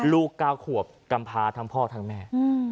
ลูกก้าวขวบกำพาทั้งพ่อทั้งแม่